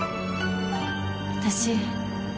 私